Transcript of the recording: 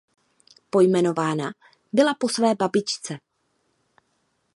Pojmenována byla po své babičce.